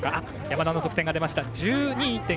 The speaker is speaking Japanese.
山田の得点出ました。１２．９３３。